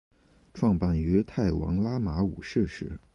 创办于泰王拉玛五世时。